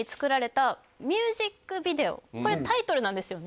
これタイトルなんですよね？